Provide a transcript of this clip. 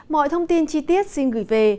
mọi thông tin chi tiết xin gửi về